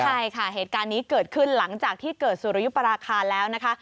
ใช่ค่ะเหตุการณ์นี้เกิดขึ้นหลังจากที่เกิดสุริยุปราคาแล้วนะคะ